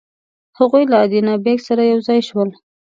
هغوی له ادینه بېګ سره یو ځای شول.